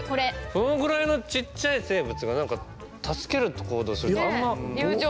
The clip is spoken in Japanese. そのぐらいのちっちゃい生物が何か助ける行動するってあんま。